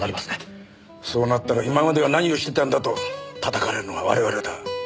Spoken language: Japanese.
そうなったら今までは何をしてたんだとたたかれるのは我々だ。